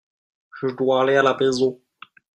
Je dois aller à la maison.